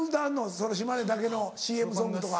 その島根だけのＣＭソングとか。